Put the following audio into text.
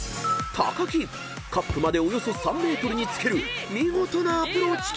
［木カップまでおよそ３ｍにつける見事なアプローチキック］